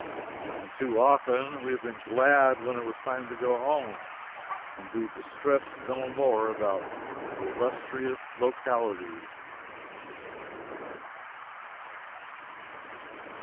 And too often we have been glad when it was time to go home and be distressed no more about illustrious localities.